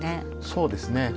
そうですね。